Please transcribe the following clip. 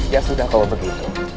ya sudah kalau begitu